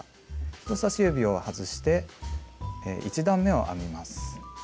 人さし指を外して１段めを編みます。